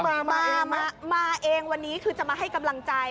มามาเองวันนี้คือจะมาให้กำลังใจ